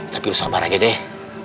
tapi sabar aja deh